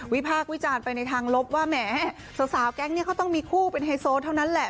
พากษ์วิจารณ์ไปในทางลบว่าแหมสาวแก๊งนี้เขาต้องมีคู่เป็นไฮโซเท่านั้นแหละ